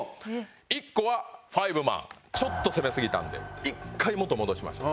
１個は『ファイブマン』ちょっと攻めすぎたので一回元に戻しましょう。